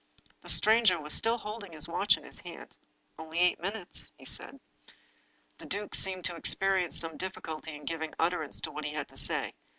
The stranger was still holding his watch in his hand. " Only eight minutes," he said. The duke seemed to experience some difficulty in giving utterance to what he had to say.